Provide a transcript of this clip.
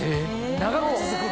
長く続くの？